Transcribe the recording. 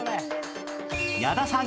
矢田さん